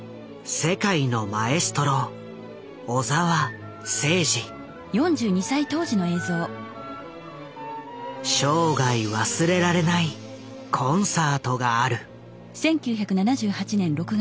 世界のマエストロ生涯忘れられないコンサートがある。